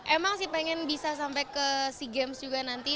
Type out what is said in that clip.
emang sih pengen bisa sampai ke sea games juga nanti